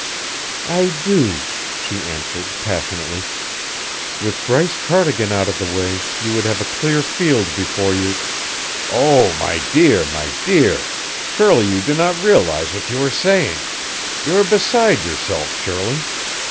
"I do," she answered passionately. "With Bryce Cardigan out of the way, you would have a clear field before you " "Oh, my dear, my dear! Surely you do not realize what you are saying. You are beside yourself, Shirley.